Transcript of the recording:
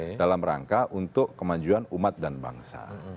itu adalah perangka untuk kemanjuan umat dan bangsa